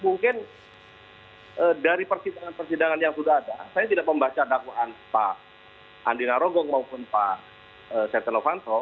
mungkin dari persidangan persidangan yang sudah ada saya tidak membaca dakwaan pak andina rogong maupun pak setelewanto